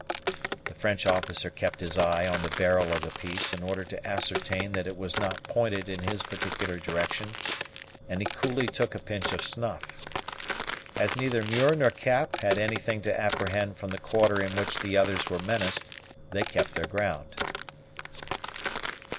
The French officer kept his eye on the barrel of the piece in order to ascertain that it was not pointed in his particular direction, and he coolly took a pinch of snuff. As neither Muir nor Cap had anything to apprehend from the quarter in which the others were menaced, they kept their ground.